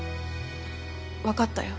分かったよ。